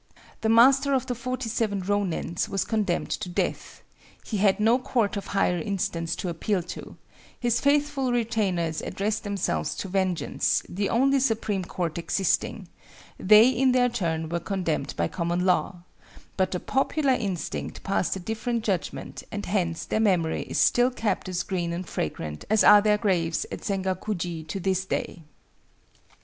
The master of the forty seven Ronins was condemned to death;—he had no court of higher instance to appeal to; his faithful retainers addressed themselves to Vengeance, the only Supreme Court existing; they in their turn were condemned by common law,—but the popular instinct passed a different judgment and hence their memory is still kept as green and fragrant as are their graves at Sengakuji to this day.